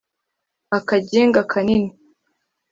akaginga kanini